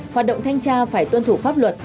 hoạt động thanh tra phải tuân thủ pháp luật